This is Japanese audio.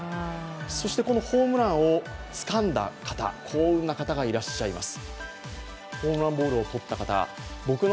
そして、このホームランをつかんだ幸運な方がいらっしゃいます。